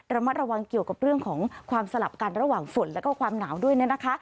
ระมัดระวังเกี่ยวกับเรื่องของความสลับกันระหว่างฝนและความหนาวด้วยนะคะ